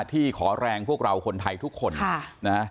ที่ขอแรงพวกเราคนไทยทุกคนนะ